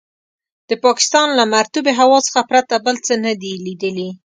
د پاکستان له مرطوبې هوا څخه پرته بل څه نه دي لیدلي.